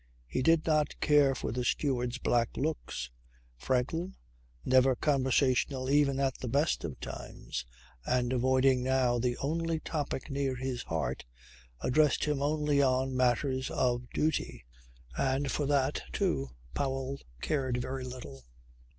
He did not care for the steward's black looks; Franklin, never conversational even at the best of times and avoiding now the only topic near his heart, addressed him only on matters of duty. And for that, too, Powell cared very little.